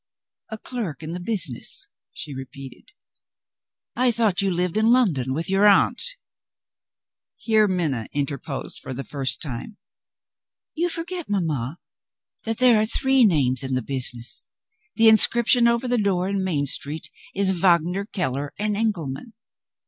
"A clerk in the business?" she repeated. "I thought you lived in London, with your aunt." Here Minna interposed for the first time. "You forget, mamma, that there are three names in the business. The inscription over the door in Main Street is Wagner, Keller, and Engelman.